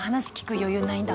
余裕ないんだわ。